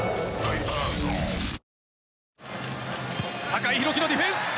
酒井宏樹のディフェンス。